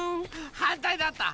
はんたいだった。